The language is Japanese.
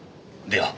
では。